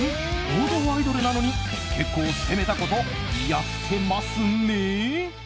王道アイドルなのに結構、攻めたことやってますね。